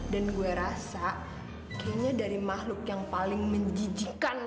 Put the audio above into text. gue rasa kayaknya dari makhluk yang paling menjijikan